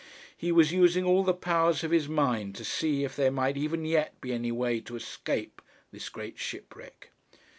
He was using all the powers of his mind to see if there might even yet be any way to escape this great shipwreck.